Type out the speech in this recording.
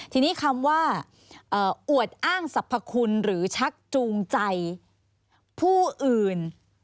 ทีนี้คำว่าอวดอ้างสรรพคุณหรือชักจูงใจผู้อื่น